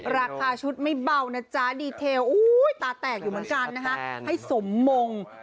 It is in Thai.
ราคาชุดไม่เบานะจ๊ะดีเทลตาแตกอยู่เหมือนกันนะคะให้สมมง